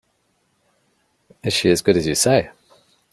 Is she as good as you say?